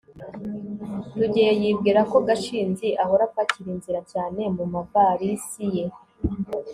rugeyo yibwira ko gashinzi ahora apakira inzira cyane mumavalisi ye